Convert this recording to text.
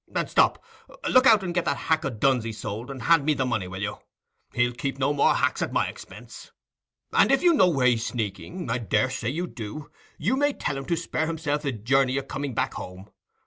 And stop: look out and get that hack o' Dunsey's sold, and hand me the money, will you? He'll keep no more hacks at my expense. And if you know where he's sneaking—I daresay you do—you may tell him to spare himself the journey o' coming back home.